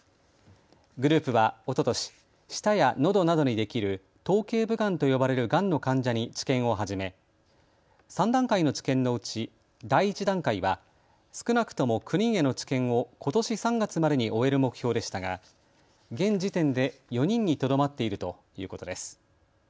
グループはおととし舌やのどなどにできる頭けい部がんと呼ばれるがんの患者に治験を始め３段階の治験のうち第１段階は少なくとも９人への治験をことし３月までに終える目標でしたが、現時点で４人にとどまっているということです。